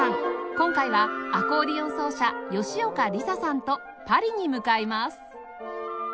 今回はアコーディオン奏者吉岡りささんとパリに向かいます